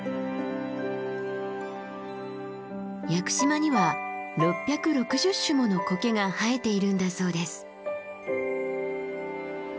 屋久島には６６０種もの苔が生えているんだそうです。